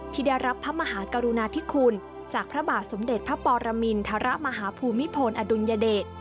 ที่ได้รับพระมหากรุณาธิคุณจากพระบาทสมเด็จพระปรมินทรมาฮภูมิพลอดุลยเดช